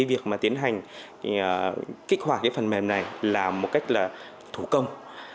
việc tiến hành kích hoạt phần mềm này là một cách thủ công